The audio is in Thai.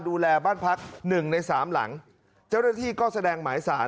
ดูแลบ้านพักหนึ่งในสามหลังเจ้าหน้าที่ก็แสดงหมายสาร